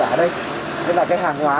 ở đây đây là cái hàng hóa